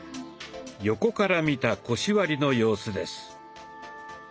横から見た腰割りの様子です。